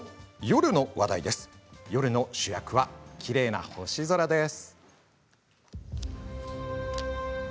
夜の主役はきれいな星空です。